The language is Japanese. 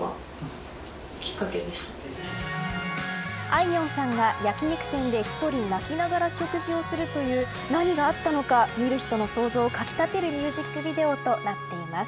あいみょんさんが焼き肉店で１人泣きながら食事をするという何があったのか、見る人の想像をかきたてるミュージックビデオとなっています。